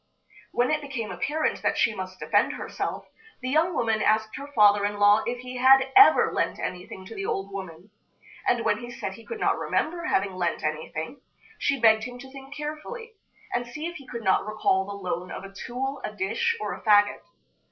When it became apparent that she must defend herself, the young woman asked her father in law if he had ever lent anything to the old woman; and when he said he could not remember having lent anything, she begged him to think carefully, and see if he could not recall the loan of a tool, a dish, or a fagot.